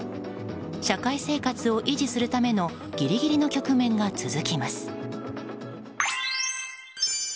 社会生活を維持するためのギリギリの局面が続きます。